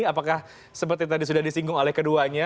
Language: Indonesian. apakah seperti tadi sudah disinggung oleh keduanya